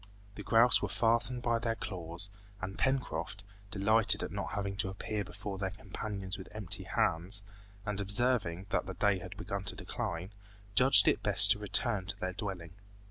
The grouse were fastened by their claws, and Pencroft, delighted at not having to appear before their companions with empty hands, and observing that the day had begun to decline, judged it best to return to their dwelling.